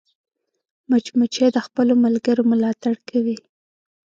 مچمچۍ د خپلو ملګرو ملاتړ کوي